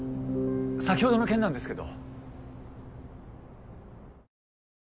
先程の件なんですけど。